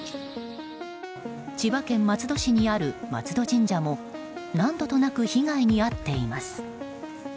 千葉県松戸市にある松戸神社も何度となく被害に遭っています。